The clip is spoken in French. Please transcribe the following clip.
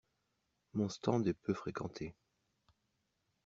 Mon stand est peu fréquenté.